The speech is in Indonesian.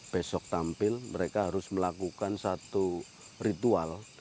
besok tampil mereka harus melakukan satu ritual